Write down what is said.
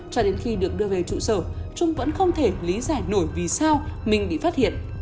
cho đến khi được đưa về trụ sở trung vẫn không thể lý giải nổi vì sao mình bị phát hiện